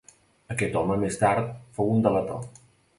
Aquest home, més tard, fou un delator.